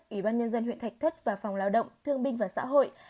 ủy ban nhân dân huyện thạch thất và phòng lao động thương binh và xã hội